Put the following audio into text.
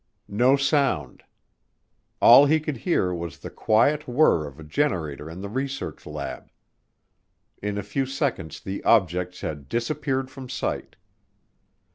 No sound. All he could hear was the quiet whir of a generator in the research lab. In a few seconds the objects had disappeared from sight.